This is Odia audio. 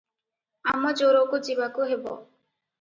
ଆମଜୋରକୁ ଯିବାକୁ ହେବ ।